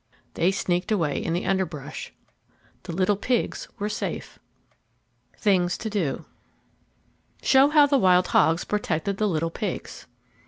They sneaked away in the underbrush. The little pigs were safe. THINGS TO DO _Show how the wild hogs protected the little pigs.